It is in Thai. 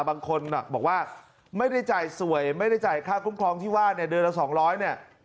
บางคนบอกว่าไม่ได้จ่ายสวยไม่ได้จ่ายค่าคุ้มครองที่ว่าเนี่ยเดือนละ๒๐๐เนี่ย